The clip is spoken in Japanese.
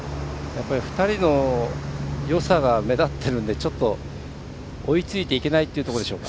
２人のよさが目立ってるのでちょっと追いついていけないというところでしょうか。